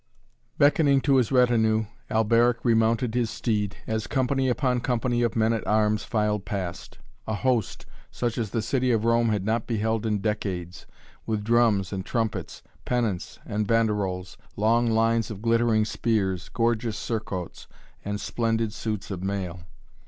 Beckoning to his retinue, Alberic remounted his steed, as company upon company of men at arms filed past a host, such as the city of Rome had not beheld in decades, with drums and trumpets, pennants and banderols, long lines of glittering spears, gorgeous surcoats, and splendid suits of mail.